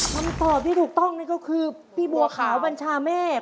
คำตอบที่ถูกต้องนี่ก็คือพี่บัวขาวบัญชาเมฆ